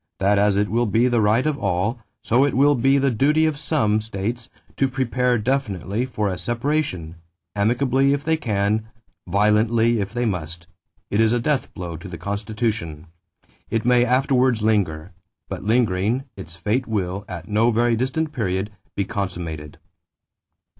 that as it will be the right of all, so it will be the duty of some [states] to prepare definitely for a separation; amicably if they can, violently if they must.... It is a death blow to the Constitution. It may afterwards linger; but lingering, its fate will, at no very distant period, be consummated."